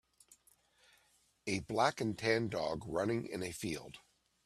A black and tan dog running in a field